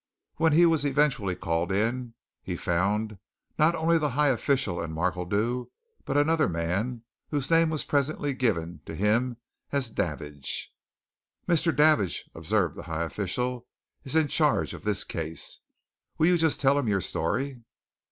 When he was eventually called in, he found not only the high official and Markledew, but another man whose name was presently given to him as Davidge. "Mr. Davidge," observed the high official, "is in charge of this case. Will you just tell him your story?"